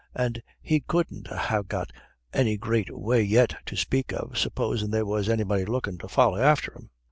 And he couldn't ha' got any great way yet to spake of, supposin' there was anybody lookin' to folly after him."